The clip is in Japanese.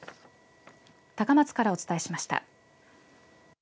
高松からお伝えしました。